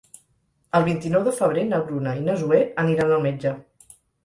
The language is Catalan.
El vint-i-nou de febrer na Bruna i na Zoè aniran al metge.